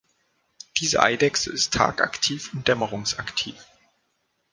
Diese Eidechse ist tagaktiv und dämmerungsaktiv.